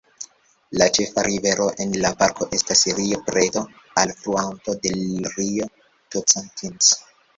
La ĉefa rivero en la parko estas Rio Preto, alfluanto de Rio Tocantins.